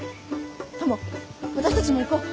タマ私たちも行こう。